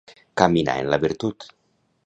Caminar en la virtut.